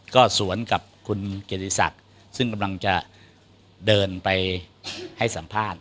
ก็สวนกับคุณเกียรติศักดิ์ซึ่งกำลังจะเดินไปให้สัมภาษณ์